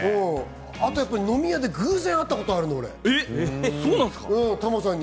あと、飲み屋で偶然会ったことがあるの俺、タモさんに。